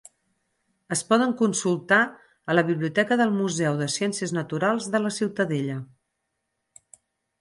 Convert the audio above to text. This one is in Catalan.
Es poden consultar a la Biblioteca del Museu de Ciències Naturals de la Ciutadella.